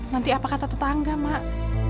nanti apa kata tetangga mak